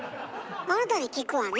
あなたに聞くわね。